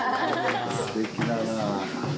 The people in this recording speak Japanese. すてきだなー。